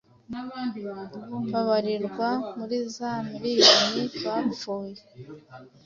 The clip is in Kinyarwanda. babarirwa muri za miriyoni bapfuye,